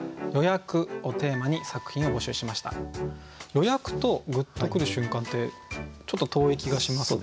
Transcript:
「予約」と「グッとくる瞬間」ってちょっと遠い気がしますが。